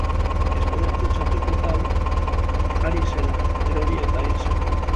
Espainiako txapelketan ari zela, erori eta hil zen.